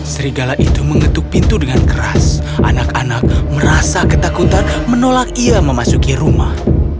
serigala itu mengetuk pintu dengan keras anak anak merasa ketakutan menolak ia memasuki rumah